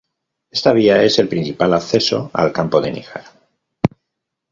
Esta vía es el principal acceso al Campo de Níjar.